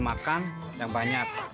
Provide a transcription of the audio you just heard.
makan yang banyak